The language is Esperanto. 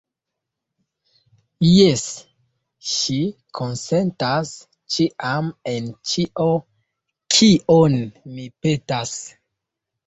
Jes, ŝi konsentas ĉiam en ĉio, kion mi petas.